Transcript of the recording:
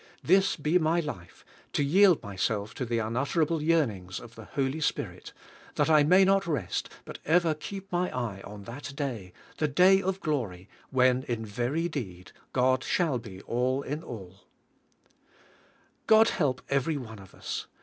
This be my life — to yield myself to the unutterable yearnings of the Holy Spirit, tha^ I may not rest, but ever keep my eye on that da}^ — the day of glory, when in very deed God shall be all in all," God help every one of us.